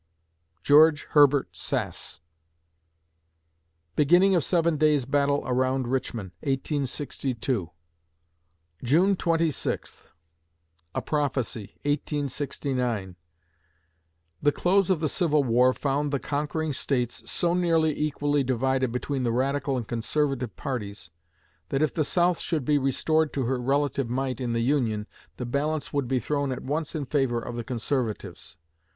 GEORGE HERBERT SASS Beginning of Seven Days' Battle around Richmond, 1862 June Twenty Sixth A PROPHECY, 1869 The close of the Civil War found the conquering States so nearly equally divided between the Radical and Conservative parties, that if the South should be restored to her relative might in the Union, the balance would be thrown at once in favor of the Conservatives.